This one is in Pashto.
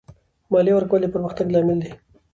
مالیه ورکول د پرمختګ لامل دی.